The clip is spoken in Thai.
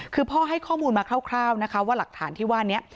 คือพ่อให้ข้อมูลมาคร่าวนะคะว่าหลักฐานที่ว่านี้